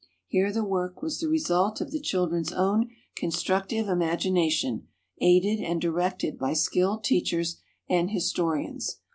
Here the work was the result of the children's own constructive imagination, aided and directed by skilled teachers and historians.